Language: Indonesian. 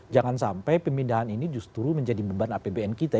jangan sampai pemindahan ini justru menjadi beban apbn kita